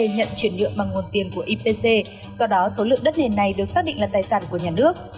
nhận chuyển nhượng bằng nguồn tiền của ipc do đó số lượng đất nền này được xác định là tài sản của nhà nước